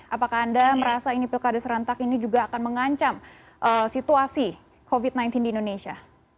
apakah anda merasa ini pilkada serentak ini juga akan mengancam situasi covid sembilan belas di indonesia